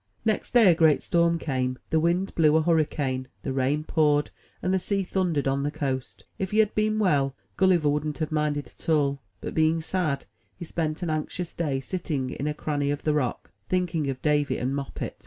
Next day, a great storm came; the wind blew a hurricane, the rain poured, and the sea thundered on the coast. If he had been well, Gulliver wouldn't have minded at all; but, being sad, he spent an anxious day, sitting in a cranny of the rock, thinking of Davy and Moppet.